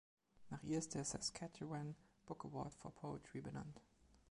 Nach ihr ist der Saskatchewan Book Award for Poetry benannt.